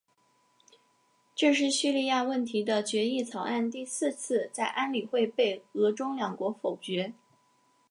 这是叙利亚问题的决议草案第四次在安理会被俄中两国否决。